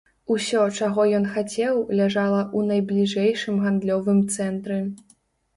Усё, чаго ён хацеў, ляжала ў найбліжэйшым гандлёвым цэнтры.